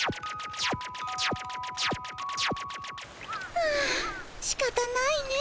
はあしかたないね。